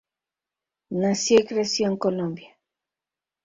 Nació y creció en Colombia.